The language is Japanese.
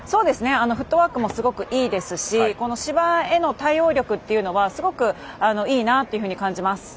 フットワークもすごくいいですしこの芝への対応力というのはすごくいいなというふうに感じます。